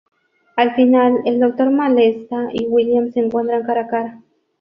Al final, el Doctor Malatesta y William se encuentran cara a cara.